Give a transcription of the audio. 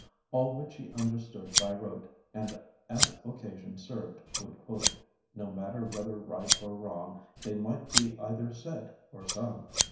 All which he understood by rote, And, as occasion serv'd, would quote; No matter whether right or wrong, They might be either said or sung.